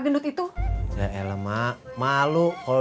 kamu bilang semua kalo udah paham